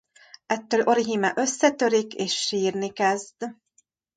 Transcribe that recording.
Ettől Orihime összetörik és sírni kezd.